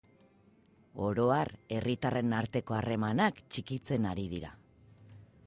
Oro har, herritarren arteko harremanak txikitzen ari dira.